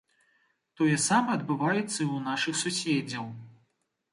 Тое ж самае адбываецца і ў нашых суседзяў.